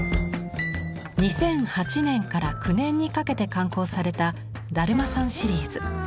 ２００８年から２００９年にかけて刊行された「だるまさん」シリーズ。